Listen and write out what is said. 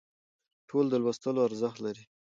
ټول د لوستلو ارزښت لري